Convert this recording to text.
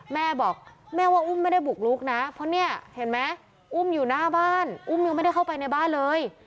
แม่บอกแม่ว่าอุ้มไม่ได้บุกลุกนะเพราะเนี่ยเห็นไหมอุ้มอยู่หน้าบ้านอุ้มยังไม่ได้เข้าไปในบ้านเลย